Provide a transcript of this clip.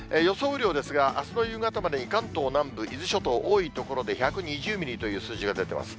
雨量ですが、あすの夕方までに関東南部、伊豆諸島、多い所で１２０ミリという数字が出てます。